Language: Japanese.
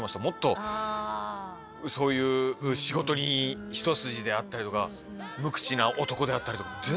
もっとそういう仕事に一筋であったりとか無口な男であったりとか。